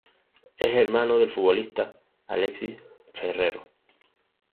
Es hermano del futbolista Alexis Ferrero.